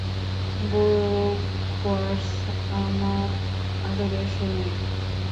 বেওয়্যার্স, আমার আদরের সঙ্গিনী!